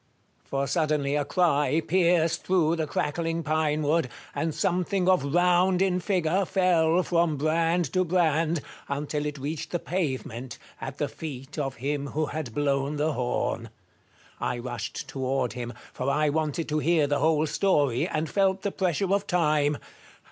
For suddenly a cry pierced through the crackling pinewood, and something of round in figure fell from brand to brand, until it reached the pavement, at the feet of him who had blown the horn. I rushed toward him, for I wanted to hear the whole story, and felt the pressure of time.